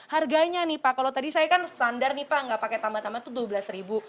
harganya nih pak kalau tadi saya kan standar nih pak enggak pakai tambahan tambahan itu rp dua belas